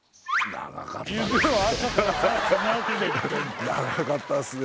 長かったですね。